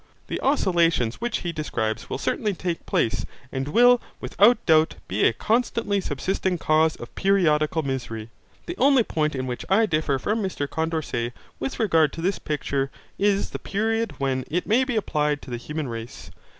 The oscillation which he describes will certainly take place and will without doubt be a constantly subsisting cause of periodical misery. The only point in which I differ from Mr Condorcet with regard to this picture is the period when it may be applied to the human race.